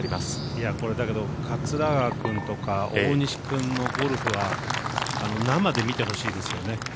いや、これ、だけど桂川君とか大西君のゴルフは生で見てほしいですよね。